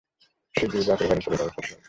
শিগগির বাপের বাড়ি চলে যাব ছোটবাবু।